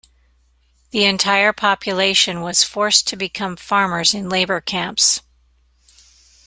The entire population was forced to become farmers in labour camps.